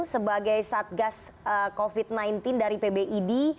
sebagai satgas covid sembilan belas dari pbid